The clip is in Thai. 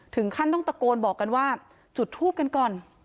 ถึงขั้นต้องตะโกนบอกกันว่าจุดทูบกันก่อน